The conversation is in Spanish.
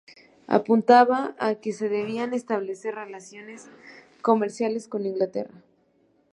Apuntaba a que se debían establecer relaciones comerciales con Inglaterra.